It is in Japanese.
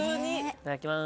いただきます。